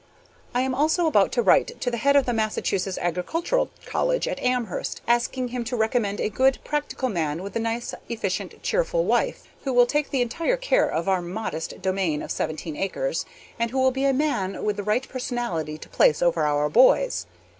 I am also about to write to the head of the Massachusetts Agricultural College, at Amherst, asking him to recommend a good, practical man with a nice, efficient, cheerful wife, who will take the entire care of our modest domain of seventeen acres, and who will be a man with the right personality to place over our boys.